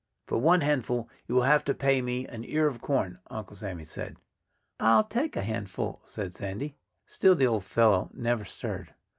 "For one handful, you will have to pay me an ear of corn," Uncle Sammy said. "I'll take a handful," said Sandy. Still the old fellow never stirred.